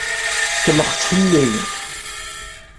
Tkellxeḍ fell-i.